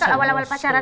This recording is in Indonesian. kalau awal awal pacaran